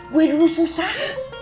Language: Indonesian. gue dulu susah